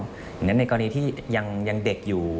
อย่างนั้นในกรณีที่ยังเด็กอยู่